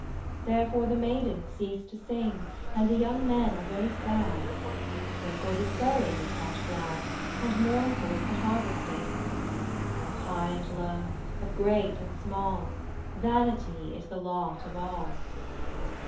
Therefore the maidens cease to sing, And the young men are very sad; Therefore the sowing is not glad, And mournful is the harvesting. Of high and low, of great and small, Vanity is the lot of all.